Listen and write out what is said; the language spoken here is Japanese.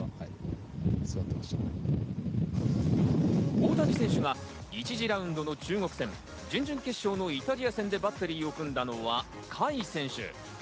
大谷選手が１次ラウンドの中国戦、準々決勝のイタリア戦でバッテリーを組んだのは甲斐選手。